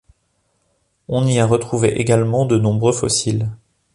On y a retrouvé également de nombreux fossiles.